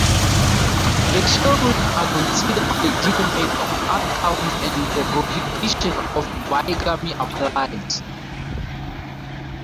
The children are considered legitimate on other counts and the prohibition of bigamy applies.